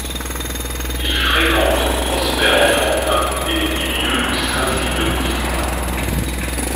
Il fréquente Prosper Enfantin et les milieux du Saint-simonisme.